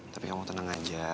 tapi kamu tenang aja